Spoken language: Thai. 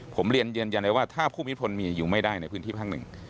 ผมเรียนยืนยันเลยว่าถ้าผู้มีพลมีอยู่ไม่ได้ในพื้นที่ภาคหนึ่ง